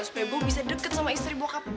supaya boy bisa deket sama istri bokap gue